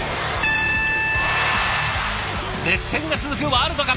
熱戦が続くワールドカップ。